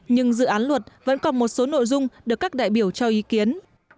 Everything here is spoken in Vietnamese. nhưng dự án luật vẫn còn một số nội dung được các đại biểu cho ý kiến